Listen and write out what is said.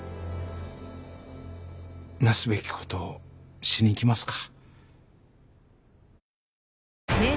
なすべきことをしにいきますか。